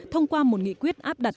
thông qua một nghị quyết áp đặt